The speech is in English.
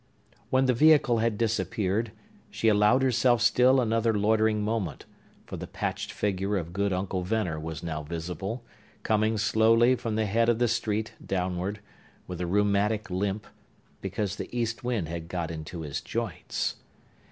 When the vehicle had disappeared, she allowed herself still another loitering moment; for the patched figure of good Uncle Venner was now visible, coming slowly from the head of the street downward, with a rheumatic limp, because the east wind had got into his joints.